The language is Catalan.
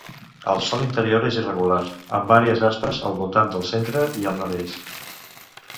El sòl interior és irregular, amb àrees aspres al voltant del centre i al nord-est.